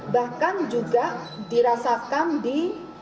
bahkan juga dirasakan di